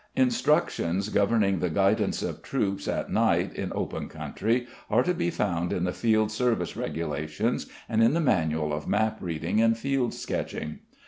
_ Instructions governing the guidance of troops at night in open country are to be found in the Field Service Regulations, and in the Manual of Map Reading and Field Sketching.